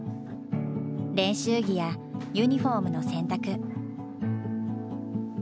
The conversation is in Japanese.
練習着やユニフォームの洗濯。